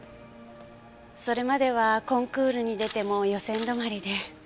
それまではコンクールに出ても予選止まりで。